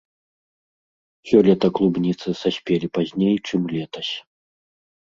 Сёлета клубніцы саспелі пазней, чым летась.